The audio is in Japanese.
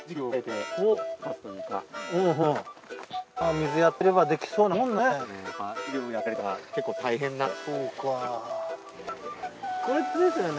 水やってればできそうなもんなんだけどね。